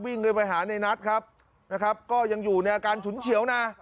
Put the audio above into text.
วิ่งเลยไปหานัยนัทครับนะครับก็ยังอยู่ในอาการฉุนเฉียวน่ะ